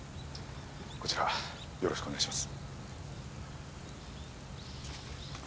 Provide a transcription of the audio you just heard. こちらよろしくお願いします。